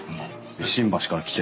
新橋から来て？